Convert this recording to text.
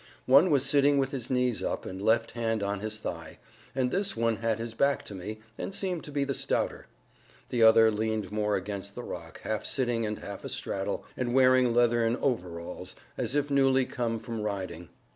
One was sitting with his knees up, and left hand on his thigh; and this one had his back to me, and seemed to be the stouter. The other leaned more against the rock, half sitting and half astraddle, and wearing leathern overalls, as if newly come from riding.